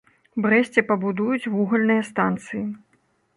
Брэсце пабудуюць вугальныя станцыі.